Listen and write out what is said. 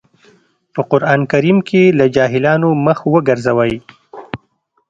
په قرآن کريم کې له جاهلانو مخ وګرځوئ.